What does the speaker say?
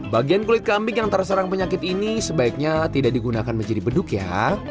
bagian kulit kambing yang terserang penyakit ini sebaiknya tidak digunakan menjadi beduk ya